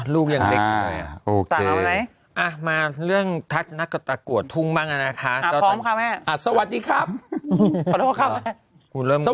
ลูกยังเล็กเลยอะโอเคสามารถไหน